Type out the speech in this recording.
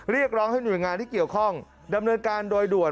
เรียกร้องให้หน่วยงานที่เกี่ยวข้องดำเนินการโดยด่วน